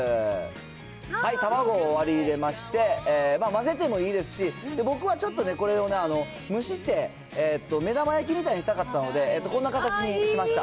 卵を割り入れまして、混ぜてもいいですし、僕はちょっとね、これを蒸して、目玉焼きみたいにしたかったので、こんな形にしました。